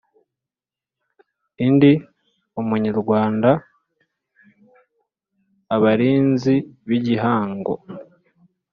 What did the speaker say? I Ndi Umunyarwanda Abarinzi b Igihango